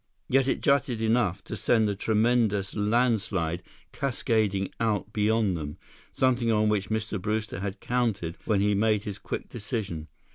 Yet it jutted enough to send the tremendous landslide cascading out beyond them, something on which Mr. Brewster had counted when he made his quick decision.